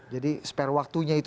jadi spare waktunya itu